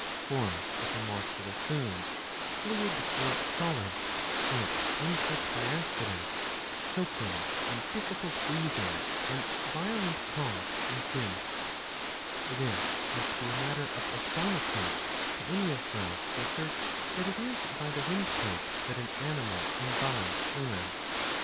^ For if a morsel of food, fluid or solid, slips into it by accident, choking and difficult breathing and violent cough ensue. This must be a matter of astonishment to any of those who assert that it is by the windpipe that an animal imbibes fluid.